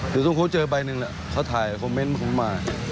อยู่ทุ่งคุเจอใบหนึ่งเขาถ่ายคอมเมนต์ผมมา